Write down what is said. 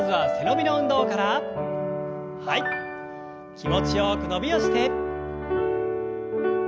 気持ちよく伸びをして。